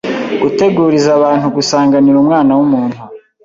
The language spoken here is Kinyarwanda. guteguriza abantu gusanganira Umwana w’umuntu.